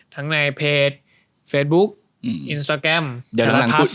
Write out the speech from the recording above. ทั้งในเพจเฟสบุ๊คอินสตาแกรมหรือพัส